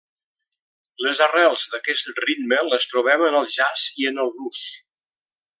Les arrels d'aquest ritme les trobem en el jazz i el blues.